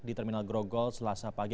di terminal grogol selasa pagi